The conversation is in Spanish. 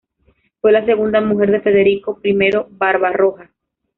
Fue la segunda mujer de Federico I Barbarroja.